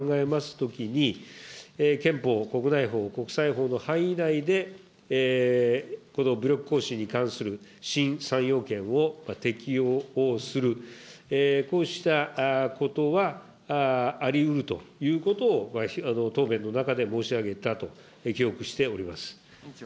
対応しなければならないと思いますが、こうした米軍の関係、米軍の存在を考えますときに、憲法、国内法、国際法の範囲内で、この武力行使に関する新３要件を適用をする、こうしたことはありうるということを、答弁の中で申し上げたと記憶しております。